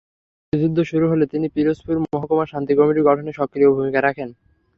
মুক্তিযুদ্ধ শুরু হলে তিনি পিরোজপুরে মহকুমা শান্তি কমিটি গঠনে সক্রিয় ভূমিকা রাখেন।